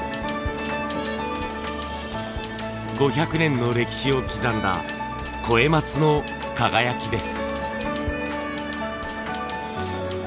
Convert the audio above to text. ５００年の歴史を刻んだ肥松の輝きです。